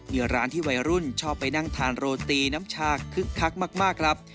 มีร้านที่วัยรุ่นชอบไปนั่งทานโรตีน้ำชาคึกคักมากครับ